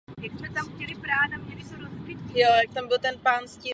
Čtyřikrát byl nejlepším střelcem rakouské ligy.